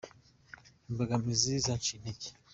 imbogamizi zanciye intege.